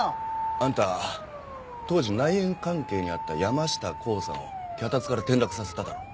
あんた当時内縁関係にあった山下洸さんを脚立から転落させただろう。